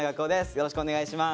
よろしくお願いします。